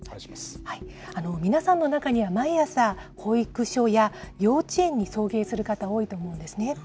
皆さんの中には毎朝、保育所や幼稚園に送迎する方、多いと思うんですね。